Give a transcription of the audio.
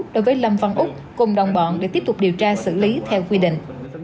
đối với lâm văn úc cùng đồng bọn để tiếp tục điều tra xử lý theo quy định